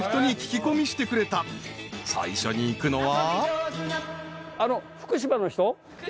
［最初に行くのは］